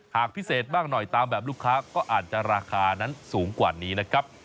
หากพิเศษมากหน่อยตามแบบลูกค้าก็อาจจะราคานั้นสูงกว่านี้นะครับ